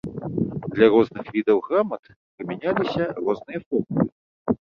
Для розных відаў грамат прымяняліся розныя формулы.